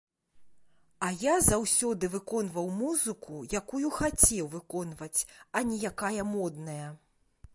А я заўсёды выконваў музыку, якую хацеў выконваць, а не якая модная.